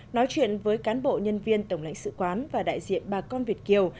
nói chuyện với cán bộ nhân viên tổng lãnh sự quán và đại diện bà con việt kiều